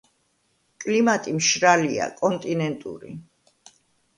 კლიმატი მშრალია, კონტინენტური.